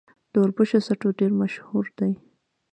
د وربشو سټو ډیر مشهور دی.